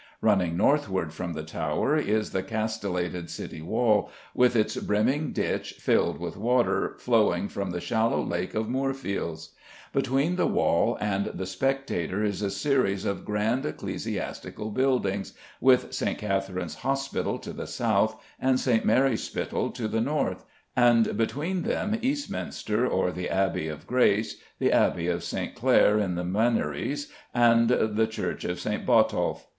Running northward from the Tower is the castellated city wall, with its brimming ditch filled with water flowing from the shallow lake of Moorfields. Between the wall and the spectator is a series of grand ecclesiastical buildings, with St. Katherine's Hospital to the south, and St. Mary Spital to the north, and between them Eastminster or the Abbey of Grace, the Abbey of St. Clare in the Minories, and the church of St. Botolph.